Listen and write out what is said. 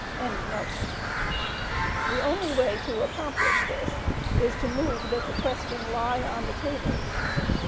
] The only way to accomplish this, is to move that the question "lie on the table."